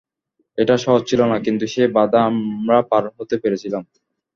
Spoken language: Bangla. এটা সহজ ছিল না, কিন্তু সেই বাধা আমরা পার হতে পেরেছিলাম।